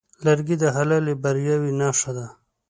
لرګی د حلالې بریاوې نښه ده.